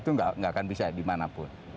itu nggak akan bisa dimanapun